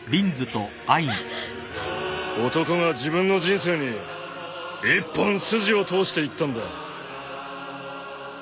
男が自分の人生に一本筋を通して逝ったんだ。